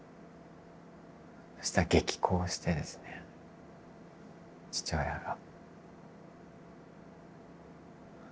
そしたら激高してですね父親が。